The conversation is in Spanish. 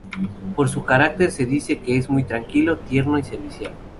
Por su carácter se dice que es muy tranquilo, tierno y servicial.